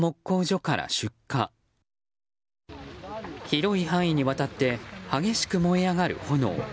広い範囲にわたって激しく燃え上がる炎。